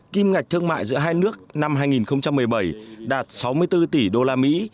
kim ngạch thương mại giữa hai nước năm hai nghìn một mươi bảy đạt sáu mươi bốn tỷ đô la mỹ